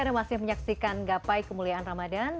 anda masih menyaksikan gapai kemuliaan ramadan